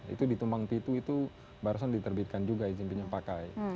itu di tumpang titu itu barusan diterbitkan juga izin pinjam pakai